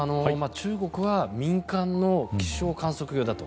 中国は民間の気象観測用だと。